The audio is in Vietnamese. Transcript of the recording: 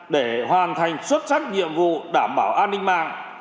để hoàn thành xuất sắc nhiệm vụ đảm bảo an ninh mạng